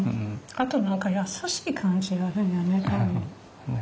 あと何か優しい感じがあるんやね